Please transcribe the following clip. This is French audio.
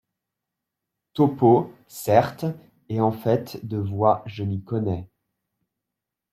Topeau ,— Certes ! et en fait de voix, je m’y connais !